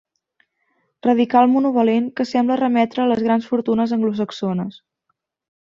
Radical monovalent que sembla remetre a les grans fortunes anglosaxones.